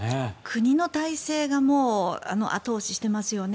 国の体制がもう後押ししてますよね。